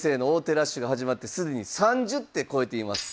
ラッシュが始まって既に３０手超えています。